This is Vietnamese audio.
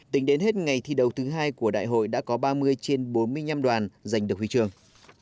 tính đến hết ngày thi đấu thứ hai của đại hội đã có ba mươi trên bốn mươi năm đoàn giành được huy trường